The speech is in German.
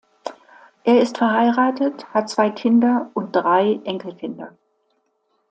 Er ist verheiratet, hat zwei Kinder und drei Enkelkinder.